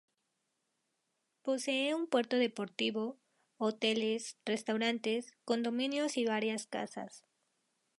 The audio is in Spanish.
Posee un puerto deportivo, hoteles, restaurantes, condominios y varias casas.